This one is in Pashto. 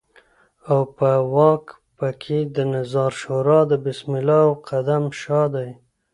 او واک په کې د نظار شورا د بسم الله او قدم شاه دی.